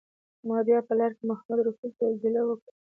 ما بیا په لاره کې محمدرسول ته یوه ګیله وکړه.